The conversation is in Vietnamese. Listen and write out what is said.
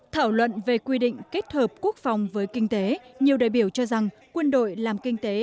thảo luận về quy định kết hợp quốc phòng với kinh tế nhiều đại biểu cho rằng quân đội làm kinh tế